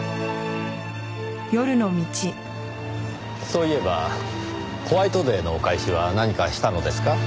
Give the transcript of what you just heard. そういえばホワイトデーのお返しは何かしたのですか？